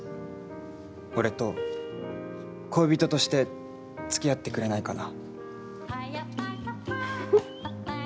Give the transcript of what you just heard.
俺と恋人としてつきあってくれないかな。